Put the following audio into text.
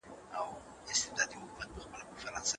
فرد د ټولنیزو قوتونو په اثر نه پوهیږي.